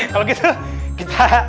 kalau gitu kita